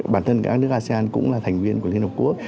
bản thân các nước asean cũng là thành viên của liên hợp quốc